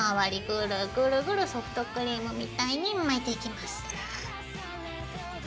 グルグルグルソフトクリームみたいに巻いていきます。